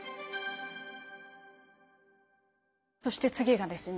そして次がですね